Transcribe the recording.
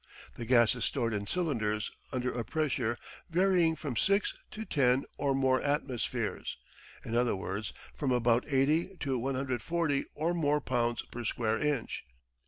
The gas is stored in cylinders under a pressure varying from six to ten or more atmospheres; in other words from about 80 to 140 or more pounds per square inch.